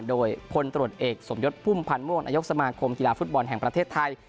โดยพลตรวจเอกสมยศพุ่มพันธ์ม่วงนายกสมาคมกีฬาฟุตบอลแห่งประเทศไทย